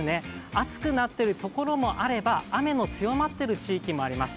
暑くなっているところもあれば雨の強まっている地域もあります。